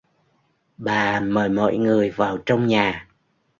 bà mời mọi người vào trong nhà